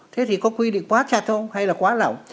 thế thì có quy định quá chặt không hay là quá lỏng